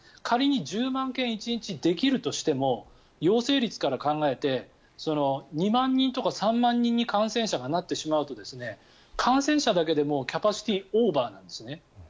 仮に１０万件１日できるとしても陽性率から考えて２万人とか３万人に感染者がなってしまうと感染者だけでキャパシティーオーバーなんですね。